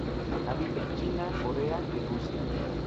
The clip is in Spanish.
Habita en China, Corea y Rusia.